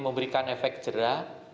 memberikan efek jerah